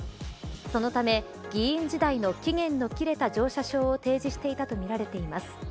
そのため、議員時代の期限の切れた乗車証を提示していたとみられています。